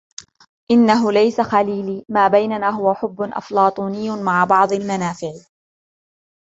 إنه ليس خليلي ، ما بيننا هو حب أفلاطوني مع بعض المنافع!